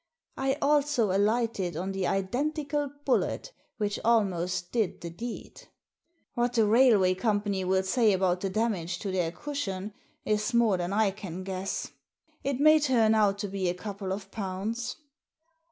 I also alighted on the identical bullet which almost did the deed What the railway company will say about the damage to their cushion is more than I can guess. It may turn out to be a couple of pounds."